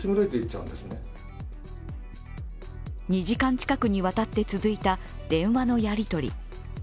２時間近くにわたって続いた電話のやり取り。